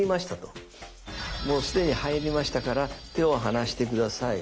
「もう既に入りましたから手を離して下さい。